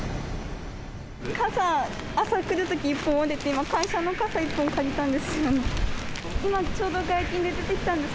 傘、朝来るとき１本折れて、今、会社の傘１本借りたんです。